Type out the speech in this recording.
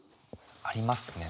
ありますね。